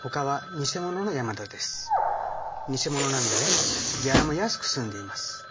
ニセモノなのでギャラも安く済んでいます。